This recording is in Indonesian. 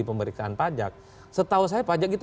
pemberitaan pajak setahu saya pajak itu